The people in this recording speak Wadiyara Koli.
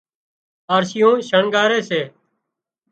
آرشيون شڻڳاري سي